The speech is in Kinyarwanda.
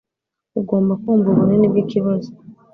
Ugomba kumva ubunini bwikibazo.